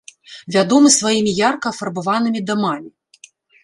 Вядомы сваімі ярка афарбаванымі дамамі.